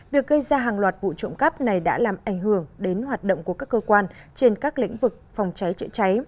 việc gây ra hàng loạt vụ trộm cắp này đã làm ảnh hưởng đến hoạt động của các cơ quan trên các lĩnh vực phòng cháy chữa cháy